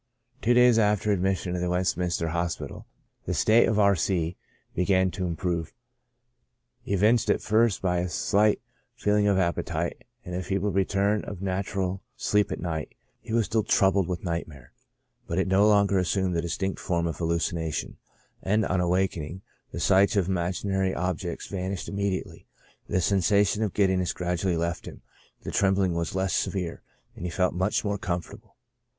Two days after admission into the Westminster Hospital, SYMPTOMS. 37 the state of R. C — began to Improve j evinced at first by a slight feeling of appetite, and a feeble return of natural sleep at night j he was still troubled with nightmare, but it no longer assumed the distinct form of hallucination, and on awaking, the sights of imaginary objects vanished imme diately J the sensation of giddiness gradually left him, the trembling was less severe, and he felt much more comfort able.